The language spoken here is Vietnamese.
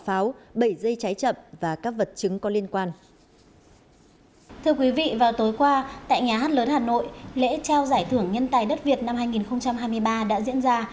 thưa quý vị vào tối qua tại nhà hát lớn hà nội lễ trao giải thưởng nhân tài đất việt năm hai nghìn hai mươi ba đã diễn ra